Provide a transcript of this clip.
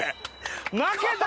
負けた！